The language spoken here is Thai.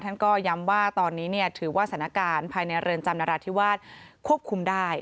ท่านก็ย้ำว่าตอนนี้ถือว่าสถานการณ์ภายในเรือนจำนราธิวาสควบคุมได้